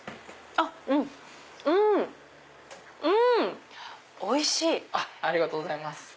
ありがとうございます。